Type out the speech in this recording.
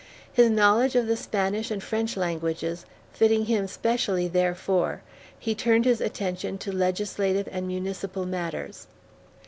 His knowledge of the Spanish and French languages fitting him specially therefor, he turned his attention to legislative and municipal matters.